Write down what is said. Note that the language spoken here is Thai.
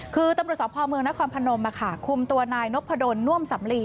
คือตำรวจสพเมืองนครพนมคุมตัวนายนพดลน่วมสำลี